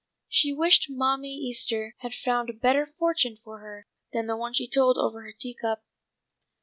She wished Mammy Easter had found a better fortune for her than the one she told over her tea cup.